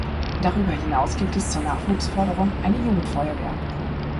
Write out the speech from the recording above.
Darüber hinaus gibt es zur Nachwuchsförderung eine Jugendfeuerwehr.